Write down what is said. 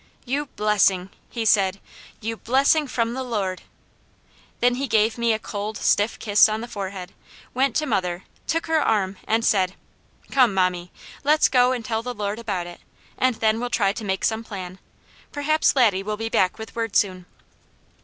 "You blessing!" he said. "You blessing from the Lord!" Then he gave me a cold, stiff kiss on the forehead, went to mother, took her arm, and said: "Come, mommy, let's go and tell the Lord about it, and then we'll try to make some plan. Perhaps Laddie will be back with word soon."